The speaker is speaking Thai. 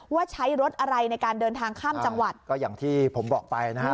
ว่าใช้รถอะไรในการเดินทางข้ามจังหวัดก็อย่างที่ผมบอกไปนะฮะ